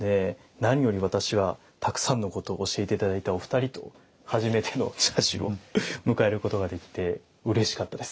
何より私はたくさんのことを教えて頂いたお二人と初めての茶事を迎えることができてうれしかったです。